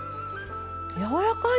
やわらかい。